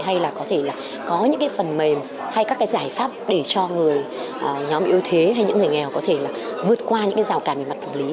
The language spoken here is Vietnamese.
hay có thể có những phần mềm hay các giải pháp để cho người nhóm yếu thế hay những người nghèo có thể vượt qua những rào cản về mặt phòng lý